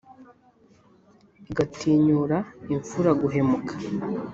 Igatinyura imfura guhemuka.